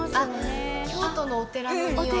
京都のお寺のにおい。